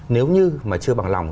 nếu như mà chưa bằng lòng